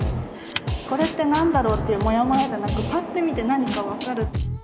これって何だろうっていうもやもやじゃなくパッて見て何か分かる。